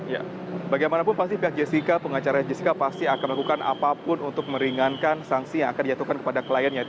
ya bagaimanapun pasti pihak jessica pengacara jessica pasti akan melakukan apapun untuk meringankan sanksi yang akan dijatuhkan kepada kliennya